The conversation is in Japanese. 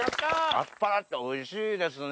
アスパラっておいしいですね。